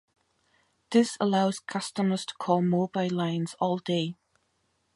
This allows customers to call mobile lines all day.